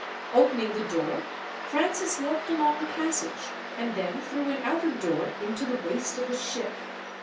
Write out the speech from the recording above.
Opening the door, Francis walked along a passage, and then through an outer door into the waist of the ship.